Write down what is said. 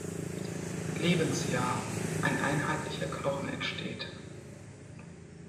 Lebensjahr ein einheitlicher Knochen entsteht.